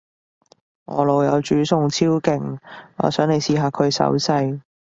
我老友煮餸超勁，我想你試下佢手勢